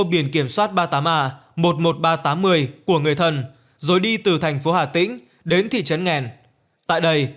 biển kiểm soát ba mươi tám a một mươi một nghìn ba trăm tám mươi của người thân rồi đi từ thành phố hà tĩnh đến thị trấn nghèn tại đây